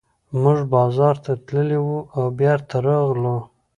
موږ بازار ته تللي وو او بېرته راغلو.